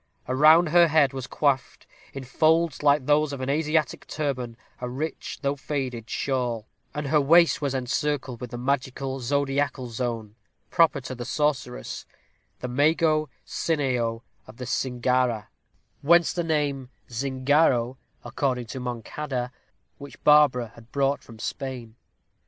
Around her head was coiffed, in folds like those of an Asiatic turban, a rich, though faded shawl, and her waist was encircled with the magic zodiacal zone proper to the sorceress the Mago Cineo of the Cingara whence the name Zingaro, according to Moncada which Barbara had brought from Spain.